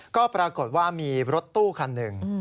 ก็ปรากฏว่ามีรถตู้คันหนึ่ง